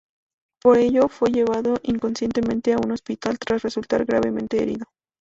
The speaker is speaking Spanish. Por ello, fue llevado inconsciente a un hospital tras resultar gravemente herido.